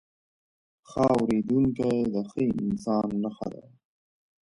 ښه اورېدونکی، د ښه انسان نښه ده.